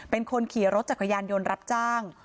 เป็นคนขี่รถจักรยานยนต์รับจ้าง